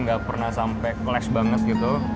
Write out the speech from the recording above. gak pernah sampai kelas banget gitu